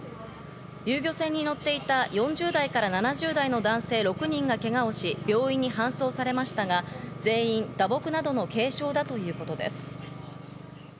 遊魚船に乗っていた４０代から７０代の男性６人がけがをし、病院に搬送されましたが全員打撲などの軽傷だということです。